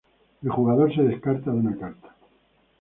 El jugador se descarta de una carta.